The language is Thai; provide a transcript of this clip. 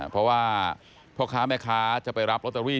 เพราะว่าพ่อค้าแม่ค้าจะไปรับลอตเตอรี่